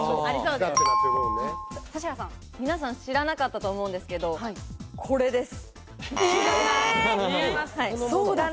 皆さん、知らなかったと思うんですけど、これです。